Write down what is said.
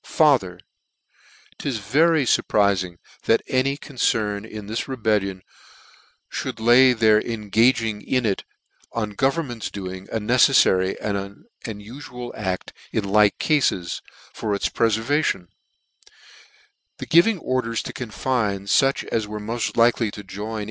" Farther: 'Tis very furprizing that any con cerned in this rebellion, fhould lay their engaging in it on the government's doing a neceflary and ufual acl: in like cafes, for its prefervation ; the giving orders to confine fuch as were mod likely to join.